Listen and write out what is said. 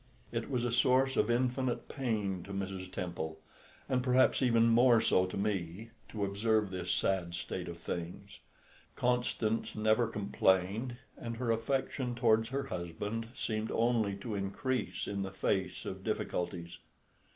It was a source of infinite pain to Mrs. Temple, and perhaps even more so to me, to observe this sad state of things. Constance never complained, and her affection towards her husband seemed only to increase in the face of difficulties.